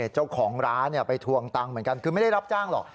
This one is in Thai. เจ้าของร้านไปทวงตังค์เหมือนกันคือไม่ได้รับจ้างหรอก